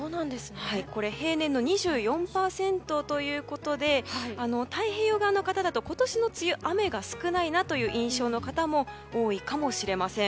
これ平年の２４％ということで太平洋側の方だと、今年の梅雨雨が少ないなという印象の方も多いかもしれません。